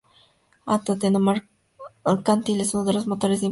El Ateneo Mercantil es uno de los motores del impulso de la sociedad civil.